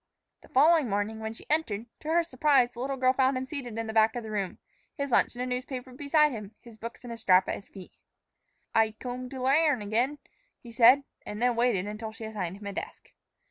The following morning, when she entered, to her surprise, the little girl found him seated in the back of the room, his lunch in a newspaper beside him, his books in a strap at his feet. "Ay kome tow lairn again," he said, and then waited until she assigned him a desk.